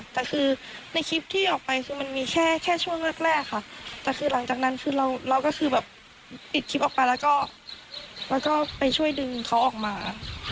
แต่คือในคลิปที่ออกไปคือมันมีแค่แค่ช่วงแรกค่ะแต่คือหลังจากนั้นคือเราก็คือแบบปิดคลิปออกไปแล้วก็ไปช่วยดึงเขาออกมา